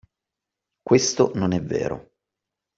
Questo non è vero.